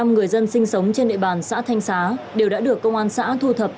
một mươi người dân sinh sống trên địa bàn xã thanh xá đều đã được công an xã thu thập